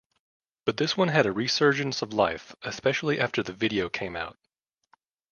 But this one had a resurgence of life, especially after the video came out.